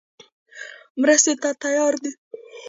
مرستې ته تیار دی.